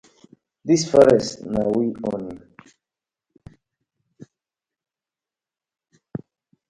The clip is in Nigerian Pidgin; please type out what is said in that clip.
Dis forest na we own.